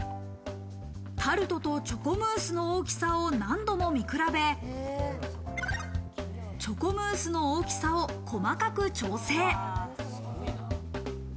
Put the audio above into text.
タルトとチョコムースの大きさを何度も見比べ、チョコムースの大きさを細かく調整。